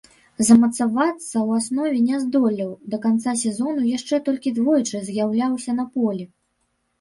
Замацавацца ў аснове не здолеў, да канца сезону яшчэ толькі двойчы з'яўляўся на полі.